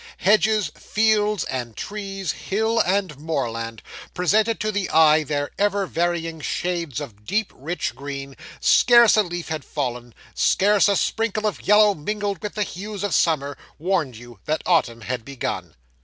Hedges, fields, and trees, hill and moorland, presented to the eye their ever varying shades of deep rich green; scarce a leaf had fallen, scarce a sprinkle of yellow mingled with the hues of summer, warned you that autumn had begun.